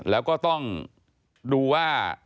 แล้วก็ต้องดูว่า